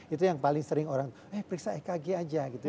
itu yang paling sering orang eh periksa ekg saja